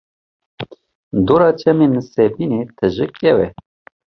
Dora çemê nisêbîne tije kew e.